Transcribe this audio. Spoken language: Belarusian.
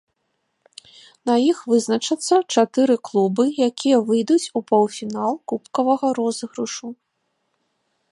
На іх вызначацца чатыры клубы, якія выйдуць у паўфінал кубкавага розыгрышу.